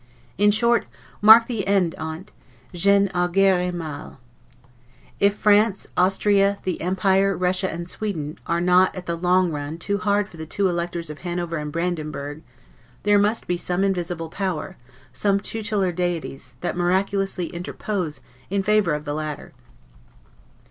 In short, mark the end on't, 'j'en augure mal'. If France, Austria, the Empire, Russia, and Sweden, are not, at long run, too hard for the two Electors of Hanover and Brandenburg, there must be some invisible power, some tutelar deities, that miraculously interpose in favor of the latter.